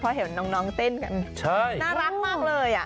พอเห็นน้องเต้นกันน่ารักมากเลย